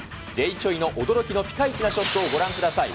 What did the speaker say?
Ｊ・チョイの驚きのピカイチなショットをご覧ください。